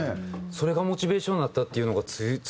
それがモチベーションになったっていうのが強いですよね。